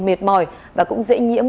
mệt mỏi và cũng dễ nhiễm